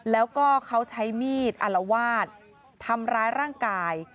แล้วก็เขาใช้มีดอารวาสทำร้ายร่างกาย